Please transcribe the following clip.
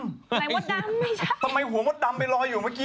อะไรหัวดดำไม่ใช่